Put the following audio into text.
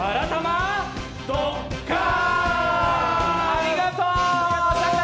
ありがとう！